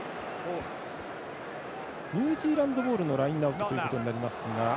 ニュージーランドボールのラインアウトとなりますが。